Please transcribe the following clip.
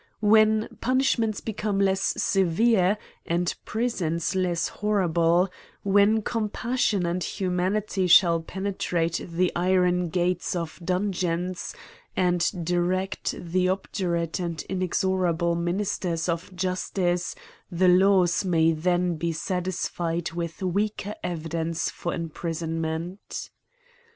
When punishments become less severe, and prisons less horrible, when compassion and humanity shall penetrate the iron gates of dungeons, and direct the obdurate and in exorable ministers of justice, the laws may then be satisfied with weaker evidence for imprisonment.